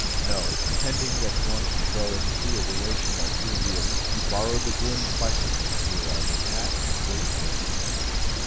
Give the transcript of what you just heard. "No. Pretending that he wanted to go and see a relation at Ouville, he borrowed the groom's bicycle. Here are his hat and greatcoat."